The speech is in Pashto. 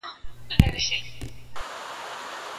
ولي محنتي ځوان د مخکښ سړي په پرتله بریا خپلوي؟